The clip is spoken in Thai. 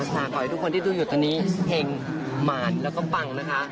ขอให้ทุกคนที่ดูอยู่ตอนนี้เห็งหมาดแล้วก็ปังนะคะ